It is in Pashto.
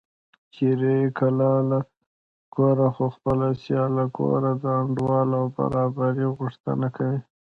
چېرې کلاله ګوره خو خپله سیاله ګوره د انډول او برابرۍ غوښتنه کوي